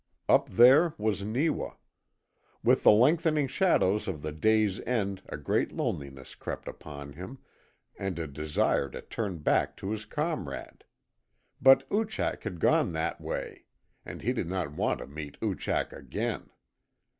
Up there was Neewa. With the lengthening shadows of the day's end a great loneliness crept upon him and a desire to turn back to his comrade. But Oochak had gone that way and he did not want to meet Oochak again.